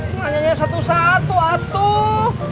pernah nyanyi satu satu atuh